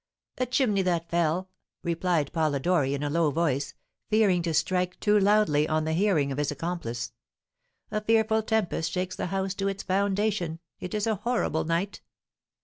"A chimney that fell," replied Polidori, in a low voice, fearing to strike too loudly on the hearing of his accomplice. "A fearful tempest shakes the house to its foundation; it is a horrible night!"